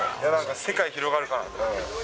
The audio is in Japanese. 世界広がるなと。